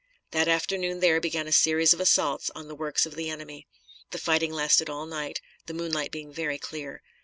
That afternoon there began a series of assaults on the works of the enemy. The fighting lasted all night, the moonlight being very clear.